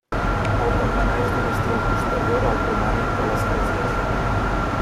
El campanar és d'un estil posterior al romànic de l'església.